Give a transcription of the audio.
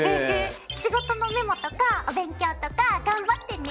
仕事のメモとかお勉強とか頑張ってね。